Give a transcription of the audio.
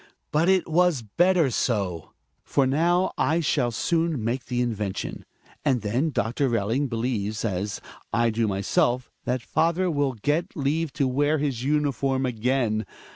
But it was better so; for now I shall soon make the invention; and then Doctor Belling believes, as I do, myself, that father will get leave to wear his uniform again.